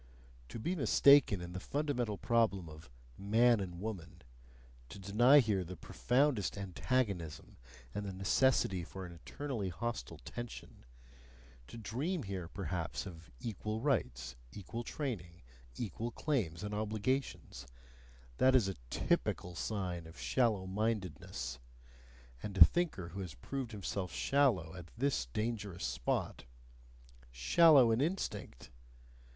To be mistaken in the fundamental problem of "man and woman," to deny here the profoundest antagonism and the necessity for an eternally hostile tension, to dream here perhaps of equal rights, equal training, equal claims and obligations: that is a TYPICAL sign of shallow mindedness; and a thinker who has proved himself shallow at this dangerous spot shallow in instinct!